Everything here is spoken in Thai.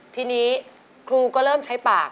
ทีนี้ครูก็เริ่มใช้ปาก